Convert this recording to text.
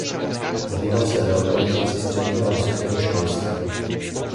Zabýval se reorganizací středního a vysokého školství.